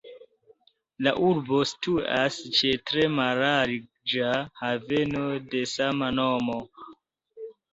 La urbo situas ĉe tre mallarĝa haveno de sama nomo.